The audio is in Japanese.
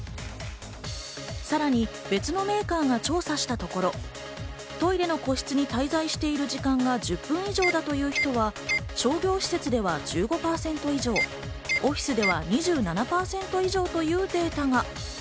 さらに別のメーカーが調査したところ、トイレの個室に滞在している時間が１０分以上だという人は商業施設では１５％以上、オフィスでは２７％以上というデータが。